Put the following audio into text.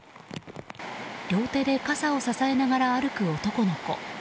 両手で傘を支えながら歩く男の子。